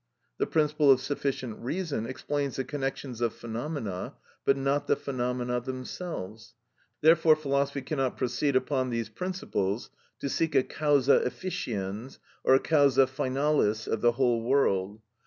The principle of sufficient reason explains the connections of phenomena, but not the phenomena themselves; therefore philosophy cannot proceed upon these principles to seek a causa efficiens or a causa finalis of the whole world.